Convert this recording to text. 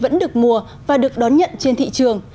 vẫn được mua và được đón nhận trên thị trường